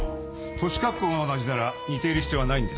年格好が同じなら似ている必要はないんですよ。